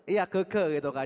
iya ke ke gitu kan